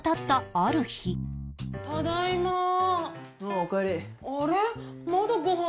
あれ？